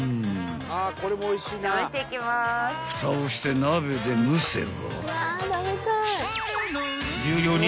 ［ふたをして鍋で蒸せば］